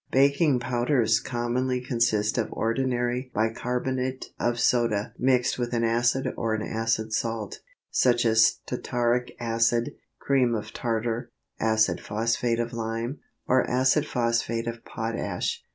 Baking powders commonly consist of ordinary bicarbonate of soda mixed with an acid or an acid salt, such as tartaric acid, cream of tartar, acid phosphate of lime, or acid phosphate of potash.